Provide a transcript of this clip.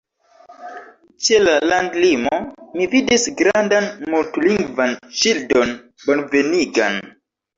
Ĉe la landlimo, mi vidis grandan mult-lingvan ŝildon bonvenigan.